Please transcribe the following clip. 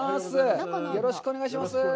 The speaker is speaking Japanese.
よろしくお願いします。